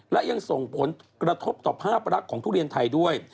และยังส่งผลกระทบต่อภาพรักของทุเรียนไทยด้วย